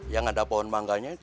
yang ada pohon mangganya